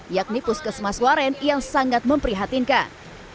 yakni puskesmas waren yang sangat memprihatinkan